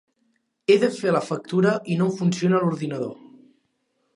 He de fer la factura i no em funciona l'ordinador.